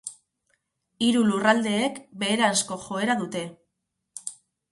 Hiru lurraldeek beheranzko joera dute.